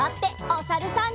おさるさん。